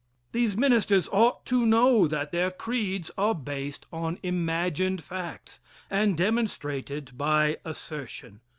These ministers ought to know that their creeds are based on imagined facts and demonstrated by assertion.